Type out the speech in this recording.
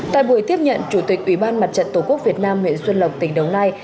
tại buổi tiếp nhận chủ tịch ủy ban mặt trận tổ quốc việt nam huyện xuân lộc tỉnh đồng nai